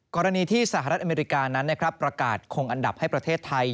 กรณีที่สหรัฐอเมริกานั้นประกาศคงอันดับให้ประเทศไทย